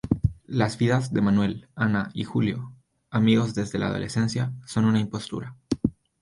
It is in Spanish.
Las vidas de Manuel, Ana y Julio, amigos desde la adolescencia, son una impostura.